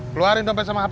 keluarin dompet sama hp